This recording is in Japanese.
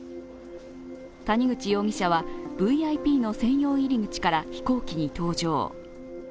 谷口容疑者はＶＩＰの専用入り口から飛行機に搭乗。